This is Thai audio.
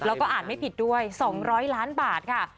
แล้วก็อ่านไม่ผิดด้วย๒๐๐ล้านบาทค่ะ